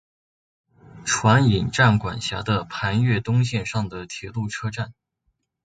船引站管辖的磐越东线上的铁路车站。